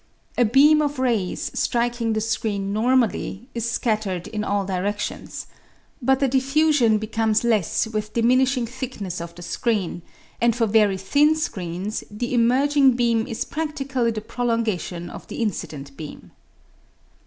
A beam of rays striking the screen normally is scattered in all diredlions ; but the diffusion becomes less with diminishing thickness of the screen, and for very thin screens the emerging beam is pradlically the prolongation of the incident beam.